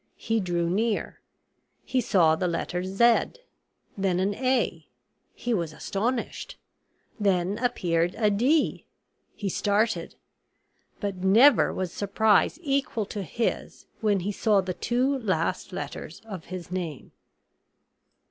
He drew near; he saw the letter Z, then an A; he was astonished; then appeared a D; he started. But never was surprise equal to his when he saw the two last letters of his name.